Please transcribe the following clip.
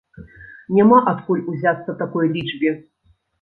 Няма адкуль узяцца такой лічбе.